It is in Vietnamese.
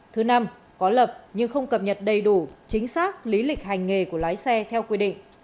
thứ năm có lập nhưng không cập nhật đầy đủ chính xác lý lịch hành nghề của lái xe theo quy định